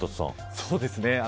そうですね。